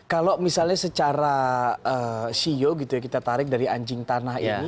kalau misalnya secara sio gitu ya kita tarik dari anjing tanah ini